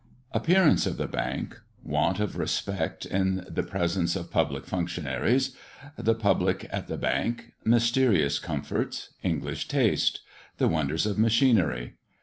APPEARANCE OF THE BANK. WANT OF RESPECT IN THE PRESENCE OF PUBLIC FUNCTIONARIES. THE PUBLIC AT THE BANK. MYSTERIOUS COMFORTS. ENGLISH TASTE. THE WONDERS OF MACHINERY.